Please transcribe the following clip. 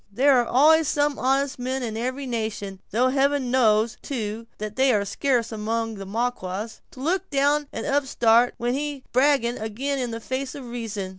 There are always some honest men in every nation, though heaven knows, too, that they are scarce among the Maquas, to look down an upstart when he brags ag'in the face of reason.